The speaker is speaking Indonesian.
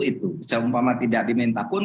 itu seumpama tidak diminta pun